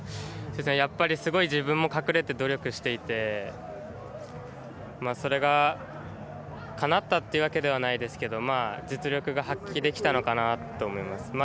やっぱりすごい自分も隠れて努力していてそれが、かなったというわけではないですけど実力が発揮できたのかなと思います。